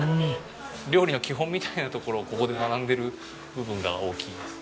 料理の基本みたいなところをここで学んでいる部分が大きいですね。